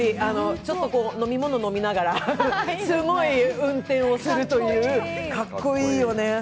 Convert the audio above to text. ちょっと飲み物飲みながら、すごい運転をするというかっこいいよね。